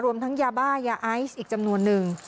ทั้งยาบ้ายาไอซ์อีกจำนวนนึง